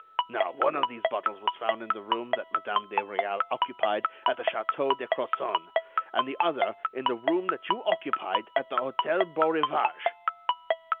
Now, one of these bottles was found in the room that Madame de Réal occupied at the Château de Crozon, and the other in the room that you occupied at the Hôtel Beaurivage."